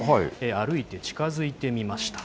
歩いて近づいてみました。